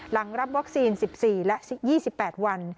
หลังรับวัคซีน๑๔และ๒๘วัน